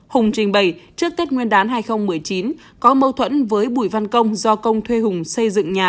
hùng trình bày trước tết nguyên đán hai nghìn một mươi chín có mâu thuẫn với bùi văn công do công thuê hùng xây dựng nhà